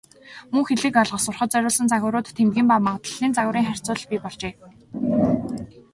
Мөн хэлийг ойлгох, сурахад зориулсан загварууд, тэмдгийн ба магадлалын загварын харьцуулал бий болжээ.